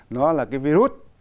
nó là cái virus